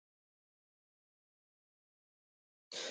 دا بنسټونه کوچني او ناچیزه وو.